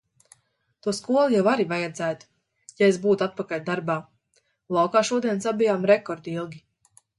To skolu jau arī vajadzētu, ja es būtu atpakaļ darbā. Laukā šodien sabijām rekordilgi.